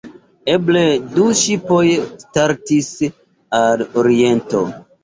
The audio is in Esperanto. Eble du ŝipoj startis al Oriento.